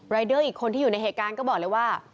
เดอร์อีกคนที่อยู่ในเหตุการณ์ก็บอกเลยว่า